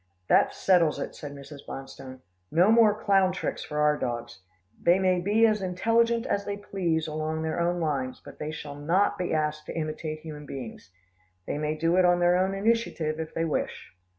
"That settles it," said Mrs. Bonstone, "no more clown tricks for our dogs. They may be as intelligent as they please along their own lines, but they shall not be asked to imitate human beings. They may do it on their own initiative, if they wish."